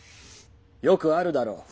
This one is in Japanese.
よくあるだろう。